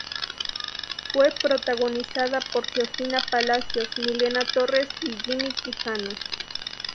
Fue protagonizada por Georgina Palacios, Milena Torres y Jimmy Quijano.